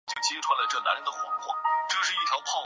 天庆是日本的年号。